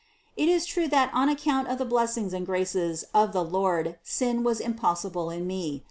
It is true that on account of the blessings and graces of the Lord sin was impossible in me.